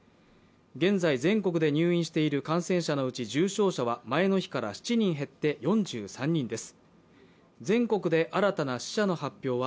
現在全国で入院している感染者のうち、重症者は前の日から７人減って４３人です。